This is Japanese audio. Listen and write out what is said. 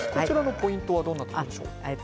ポイントはどんなところですか？